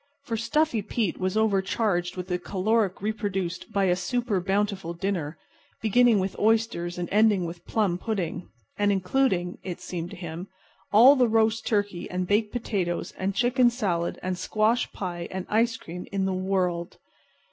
For Stuffy Pete was overcharged with the caloric produced by a super bountiful dinner, beginning with oysters and ending with plum pudding, and including (it seemed to him) all the roast turkey and baked potatoes and chicken salad and squash pie and ice cream in the world.